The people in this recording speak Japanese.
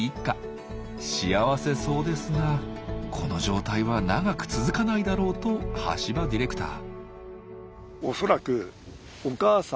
幸せそうですが「この状態は長く続かないだろう」と橋場ディレクター。